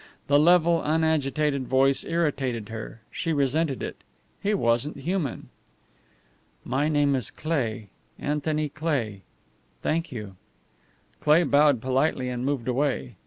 The level, unagitated voice irritated her; she resented it. He wasn't human! "My name is Cleigh Anthony Cleigh. Thank you." Cleigh bowed politely and moved away.